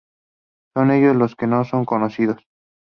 Son ellos los que son conocidos.